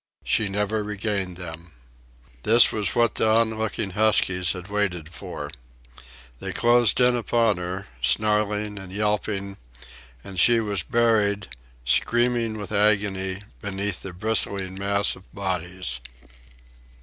She never regained them, This was what the onlooking huskies had waited for. They closed in upon her, snarling and yelping, and she was buried, screaming with agony, beneath the bristling mass of bodies.